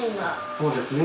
そうですね。